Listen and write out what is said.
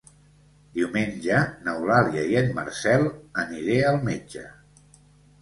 Diumenge n'Eulàlia i en Marcel aniré al metge.